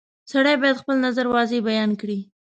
• سړی باید خپل نظر واضح بیان کړي.